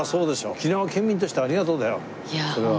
沖縄県民としては「ありがとう」だよそれは。